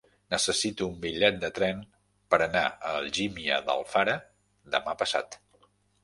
Necessito un bitllet de tren per anar a Algímia d'Alfara demà passat.